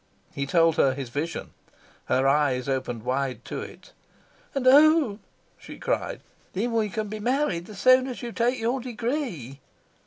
He told her his vision. Her eyes opened wide to it. "And oh," she cried, "then we can be married as soon as you take your degree!"